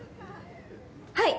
はい！